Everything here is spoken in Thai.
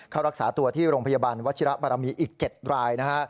เข้ารักษาตัวที่โรงพยาบาลวัชฌิลักษณ์ปรามีอีก๗รายนะฮะ